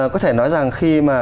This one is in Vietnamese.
có thể nói rằng khi mà